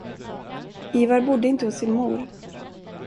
Ivar bodde inte hos sin mor.